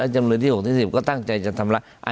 จำเลยที่๖ที่๑๐ก็ตั้งใจจะทำร้าย